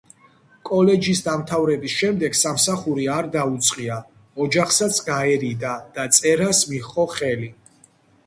კოლეჯის დამთავრების შემდეგ სამსახური არ დაუწყია, ოჯახსაც გაერიდა და წერას მიჰყო ხელი.